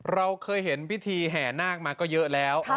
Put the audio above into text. เราเคยเห็นพิธีแห่นาคมาก็เยอะแล้ว